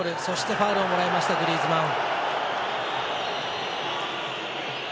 ファウルをもらいましたグリーズマン。